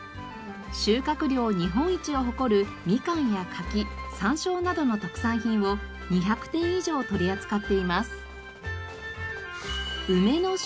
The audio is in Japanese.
収穫量日本一を誇るみかんや柿山椒などの特産品を２００点以上取り扱っています。